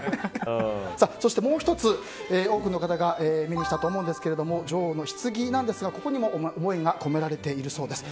そしてもう１つ、多くの方が目にしたと思うんですが女王のひつぎですが、ここにも思いが込められているそうです。